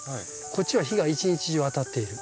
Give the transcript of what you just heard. こっちは日が一日中当たっている。